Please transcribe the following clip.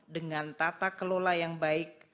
dengan tata kelola yang baik